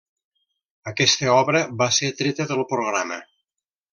Aquesta obra va ser treta del programa.